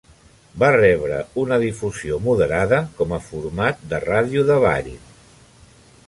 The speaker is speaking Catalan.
Va rebre una difusió moderada com a format de ràdio de ball.